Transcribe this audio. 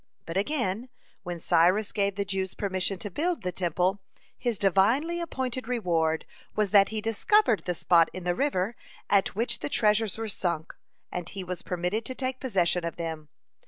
But, again, when Cyrus gave the Jews permission to build the Temple, his divinely appointed reward was that he discovered the spot in the river at which the treasures were sunk, and he was permitted to take possession of them.